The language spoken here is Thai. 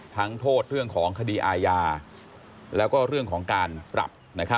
โทษเรื่องของคดีอาญาแล้วก็เรื่องของการปรับ